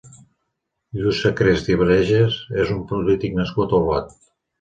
Lluís Sacrest i Villegas és un polític nascut a Olot.